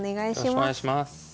よろしくお願いします。